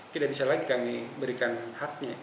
tidak bisa lagi kami berikan haknya